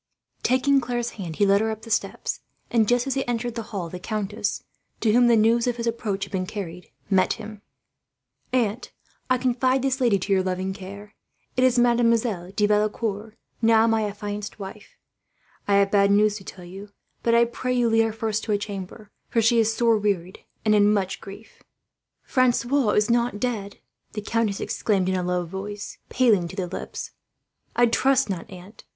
Taking Claire's hand, he led her up the steps; and just as he entered the hall the countess, to whom the news of his approach had been carried, met him. "Aunt," he said, "I confide this lady to your loving care. It is Mademoiselle de Valecourt, now my affianced wife. I have bad news to tell you; but I pray you lead her first to a chamber, for she is sore wearied and in much grief." "Francois is not dead?" the countess exclaimed in a low voice, paling to the lips. "I trust not, aunt.